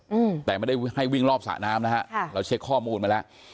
อืมแต่ไม่ได้ให้วิ่งรอบสระน้ำนะฮะค่ะเราเช็คข้อมูลมาแล้ว